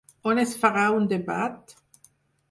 On es farà un debat?